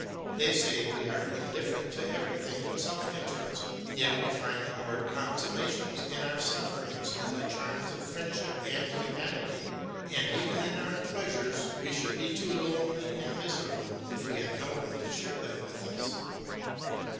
They say we are indifferent to everything but self interest; yet we find our consolation in our sufferings in the charms of friendship and humanity, and even in our pleasures we should be too lonely and miserable if we had no one to share them with us.